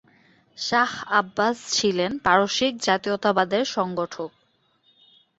Shah Abbas ছিলেন পারসিক জাতীয়তাবাদের সংগঠক।